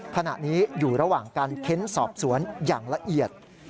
ขณะนี้อยู่ระหว่างการเค้นสอบสวนอย่างละเอียด